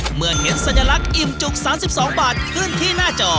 เมื่อเห็นสัญลักษณ์อิ่มจุก๓๒บาทขึ้นที่หน้าจอ